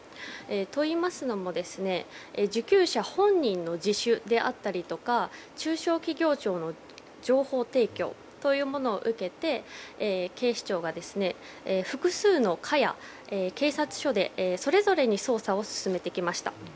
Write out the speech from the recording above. といいますのも受給者本人の自首であったり中小企業庁の情報提供というものを受けて警視庁が複数の課や警察署でそれぞれに捜査を進めてきました。